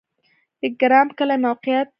د ګرماب کلی موقعیت